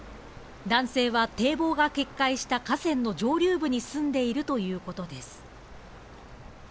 男性は、堤防が決壊した河川の上流部に住んでいるということです。